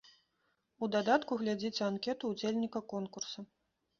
У дадатку глядзіце анкету ўдзельніка конкурса.